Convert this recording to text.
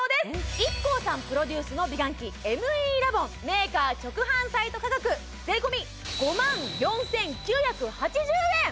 ＩＫＫＯさんプロデュースの美顔器ＭＥラボンメーカー直販サイト価格税込５４９８０円